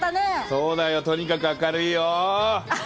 そうだよ、とにかく明るいよ。